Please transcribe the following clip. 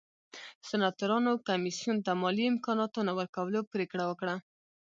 سناتورانو کمېسیون ته مالي امکاناتو نه ورکولو پرېکړه وکړه